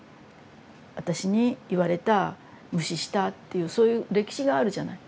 私に言われた無視したっていうそういう歴史があるじゃない。